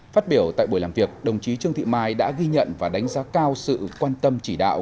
phát biểu tại buổi làm việc đồng chí trương thị mai đã ghi nhận và đánh giá cao sự quan tâm chỉ đạo